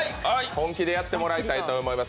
本気でやってもらいたいと思います。